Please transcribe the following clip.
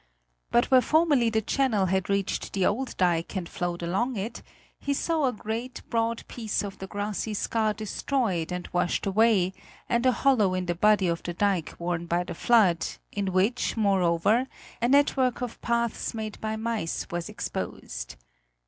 But where formerly the channel had reached the old dike and flowed along it, he saw a great, broad piece of the grassy scar destroyed and washed away and a hollow in the body of the dike worn by the flood, in which, moreover, a network of paths made by mice was exposed.